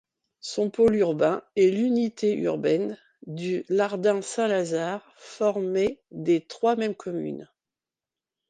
Son pôle urbain est l'unité urbaine du Lardin-Saint-Lazare, formée des trois mêmes communes.